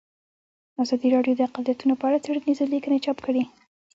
ازادي راډیو د اقلیتونه په اړه څېړنیزې لیکنې چاپ کړي.